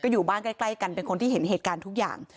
อยู่บ้านใกล้กันเป็นคนที่เห็นเหตุการณ์ทุกอย่าง